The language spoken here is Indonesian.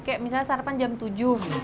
kayak misalnya sarapan jam tujuh